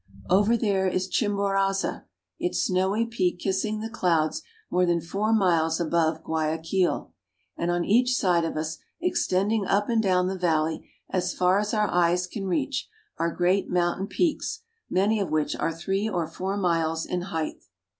Over there is Chimborazo, its snowy peak kissing the clouds more than four miles above Guaya quil; and on each side of us, extending up and down the valley as far as our eyes can reach, are great mountain peaks, many of which are three or four miles in height.